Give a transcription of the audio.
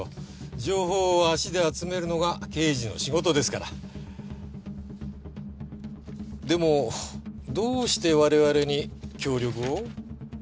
情報を足で集めるのが刑事の仕事ですからでもどうして我々に協力を？